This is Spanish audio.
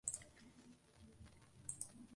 Esto fue el primer declive de un año al próximo.